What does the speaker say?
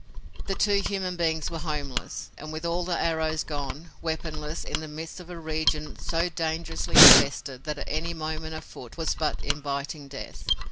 The two human beings were homeless and, with all the arrows gone, weaponless, in the midst of a region so dangerously infested that any movement afoot was but inviting death.